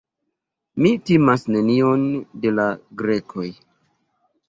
Mi timas nenion de la Grekoj.